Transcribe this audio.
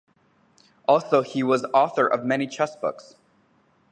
Also he was author of many chess books.